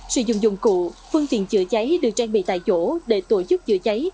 sử dụng dụng cụ phương tiện chữa cháy được trang bị tại chỗ để tổ chức chữa cháy